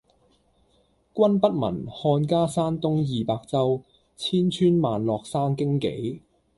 君不聞，漢家山東二百州，千村萬落生荊杞！